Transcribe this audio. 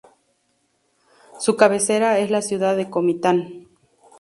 Su cabecera es la ciudad de Comitán.